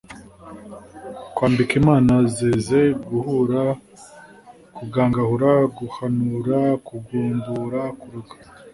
kwambika imana zeze, guhura, kugangahura, guhanura, kugombora, kuroga,)